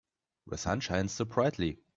The sun shines so brightly.